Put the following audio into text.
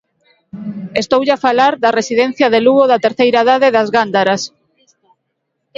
Estoulle a falar da residencia de Lugo da terceira idade das Gándaras.